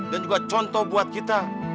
dan juga contoh buat kita